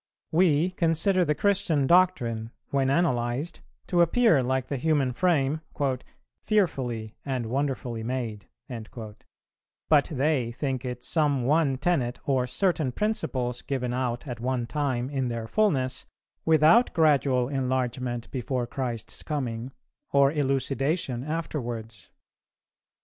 We consider the Christian doctrine, when analyzed, to appear, like the human frame, 'fearfully and wonderfully made;' but they think it some one tenet or certain principles given out at one time in their fulness, without gradual enlargement before Christ's coming or elucidation afterwards.